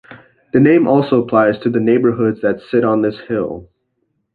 The name also applies to the neighborhoods that sit on this hill.